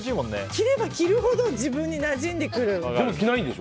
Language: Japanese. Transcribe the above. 着れば着るほど自分になじんでくる。